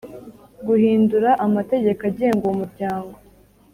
guhindura amategeko agenga uwo muryango